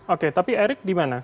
oke tapi erik di mana